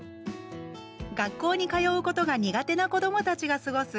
学校に通うことが苦手な子どもたちが過ごす